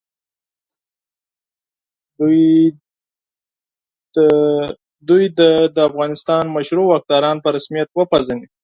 هغوی دې د افغانستان مشروع واکداران په رسمیت وپېژني.